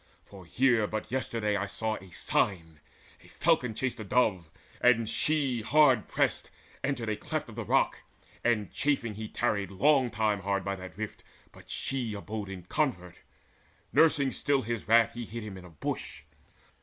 For here but yesterday I saw a sign: A falcon chased a dove, and she, hard pressed, Entered a cleft of the rock; and chafing he Tarried long time hard by that rift, but she Abode in covert. Nursing still his wrath, He hid him in a bush.